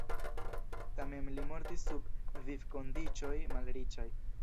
Tamen li mortis sub vivkondiĉoj malriĉaj.